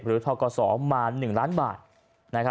ทกศมา๑ล้านบาท